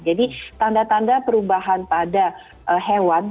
jadi tanda tanda perubahan pada hewan